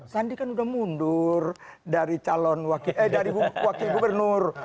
sandi kan udah mundur dari calon wakil eh dari wakil gubernur